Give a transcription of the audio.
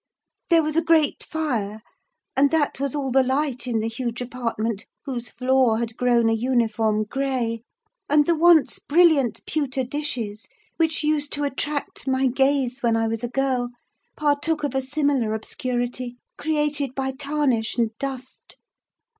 There was a great fire, and that was all the light in the huge apartment, whose floor had grown a uniform grey; and the once brilliant pewter dishes, which used to attract my gaze when I was a girl, partook of a similar obscurity, created by tarnish and dust.